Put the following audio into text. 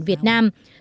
sáu bảy tám và chín